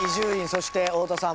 そして太田さんもね